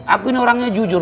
aku ini orangnya jujur